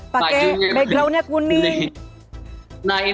pakai backgroundnya kuning